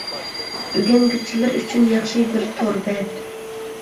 ئۆگەنگۈچىلەر ئۈچۈن ياخشى بىر تور بەت.